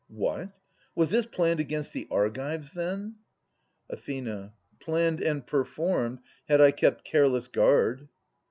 What ? Was this planned against the Argives, then? Ath. Planned, and performed, had I kept careless guard.